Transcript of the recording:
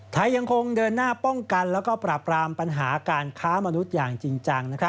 ยังคงเดินหน้าป้องกันแล้วก็ปราบรามปัญหาการค้ามนุษย์อย่างจริงจัง